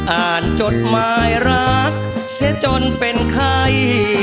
อ่านจดหมายรักเสียจนเป็นใคร